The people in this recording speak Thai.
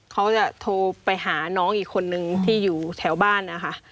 เขาจะโทรไปหาน้องอีกคนนึงที่อยู่แถวบ้านนะคะ